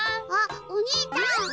あっお兄ちゃん。